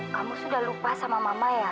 kamu sudah lupa sama mama ya